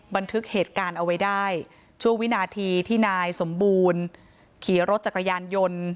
บันทึกเหตุการณ์เอาไว้ได้ช่วงวินาทีที่นายสมบูรณ์ขี่รถจักรยานยนต์